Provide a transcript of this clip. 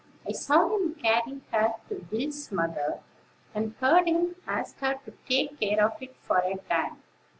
I saw him carry her to Will's mother, and heard him ask her to take care of it for a time.